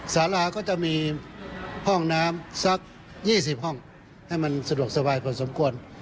สาราก็จะมีห้องน้ำสัก๒๐ห้องให้มันสะดวกสบายพอสมควร